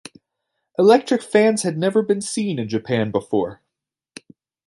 Electric fans had never been seen in Japan before.